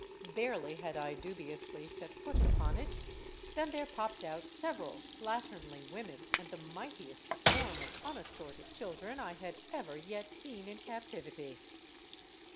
Barely had I dubiously set foot upon it than there popped out several slatternly women and the mightiest swarm of un assorted children I had ever yet seen in captivity.